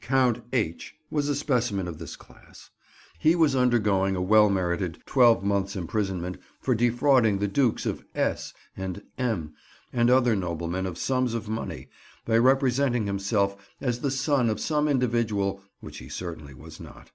Count H— was a specimen of this class. He was undergoing a well merited 12 months' imprisonment for defrauding the Dukes of S— and M— and other noblemen of sums of money, by representing himself as the son of some individual, which he certainly was not.